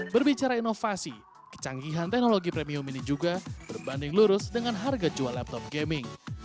berbicara inovasi kecanggihan teknologi premium ini juga berbanding lurus dengan harga jual laptop gaming